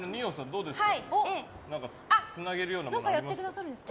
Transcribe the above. どうですか？